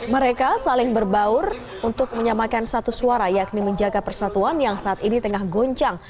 mereka saling berbaur untuk menyamakan satu suara yakni menjaga persatuan yang saat ini tengah goncang